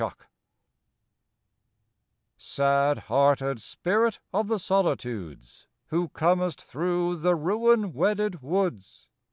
FALL Sad hearted spirit of the solitudes, Who comest through the ruin wedded woods!